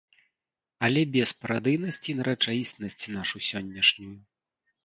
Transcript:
Але без парадыйнасці на рэчаіснасць нашу сённяшнюю.